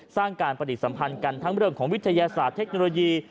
การปฏิสัมพันธ์กันทั้งเรื่องของวิทยาศาสตร์เทคโนโลยี